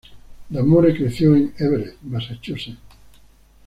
D'Amore creció en Everett, Massachusetts.